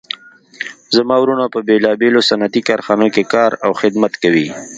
زما وروڼه په بیلابیلو صنعتي کارخانو کې کار او خدمت کوي